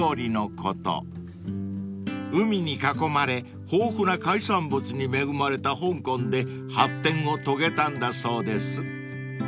［海に囲まれ豊富な海産物に恵まれた香港で発展を遂げたんだそうです］